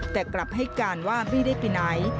แต่กลับให้การว่าไม่ได้ไปไหน